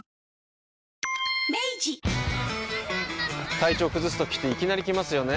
体調崩すときっていきなり来ますよね。